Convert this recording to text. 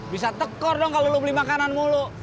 bisa tekor dong kalau lo beli makanan mulu